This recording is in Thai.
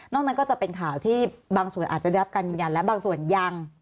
นั้นก็จะเป็นข่าวที่บางส่วนอาจจะได้รับการยืนยันและบางส่วนยัง